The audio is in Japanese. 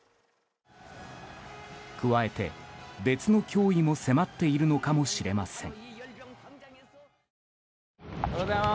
加えて、別の脅威も迫っているのかもしれません。